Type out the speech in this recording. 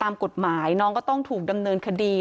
ตามกฎหมายน้องก็ต้องถูกดำเนินคดี